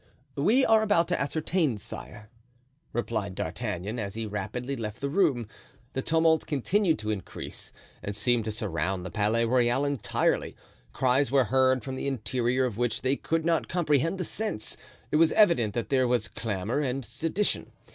"We are about to ascertain, sire," replied D'Artagnan, as he rapidly left the room. The tumult continued to increase and seemed to surround the Palais Royal entirely. Cries were heard from the interior, of which they could not comprehend the sense. It was evident that there was clamor and sedition.